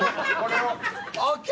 ＯＫ。